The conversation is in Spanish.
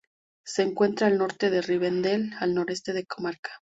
Se encuentra al norte de Rivendel, al noreste de la Comarca.